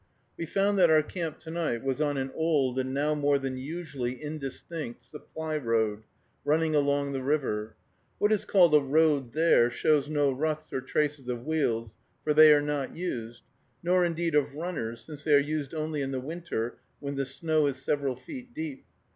We found that our camp to night was on an old, and now more than usually indistinct, supply road, running along the river. What is called a road there shows no ruts or trace of wheels, for they are not used; nor, indeed, of runners, since they are used only in the winter when the snow is several feet deep.